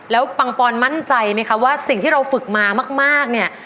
แล้วปังปอนมั่นใจไหมคะว่าสิ่งที่เราฝึกมามากเนี่ย